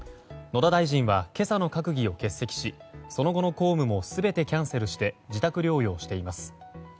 野田大臣は今朝の閣議を欠席しその後の公務も全てキャンセルして自宅療養しています。